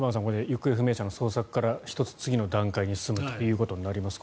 行方不明者の捜索から１つ、次の段階に進むということになります。